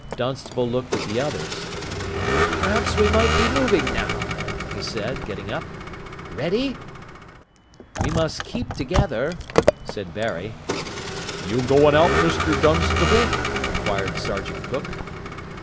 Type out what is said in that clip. Dunstable looked at the others. "Perhaps we might be moving now," he said, getting up "Ready?" "We must keep together," said Barry. "You goin' out, Mr Dunstable?" inquired Sergeant Cook.